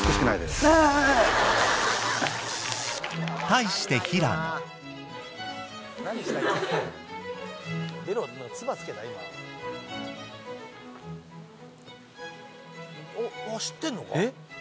対して平野知ってんのか？